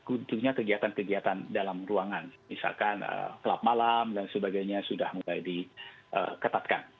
untungnya kegiatan kegiatan dalam ruangan misalkan klub malam dan sebagainya sudah mulai diketatkan